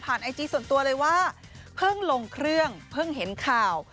ไอจีส่วนตัวเลยว่าเพิ่งลงเครื่องเพิ่งเห็นข่าว